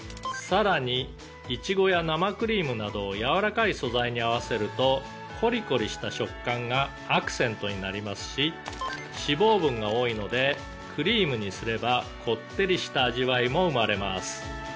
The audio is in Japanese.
「さらにイチゴや生クリームなどやわらかい素材に合わせるとコリコリした食感がアクセントになりますし脂肪分が多いのでクリームにすればこってりした味わいも生まれます」